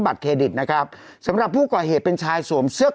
เครดิตนะครับสำหรับผู้ก่อเหตุเป็นชายสวมเสื้อ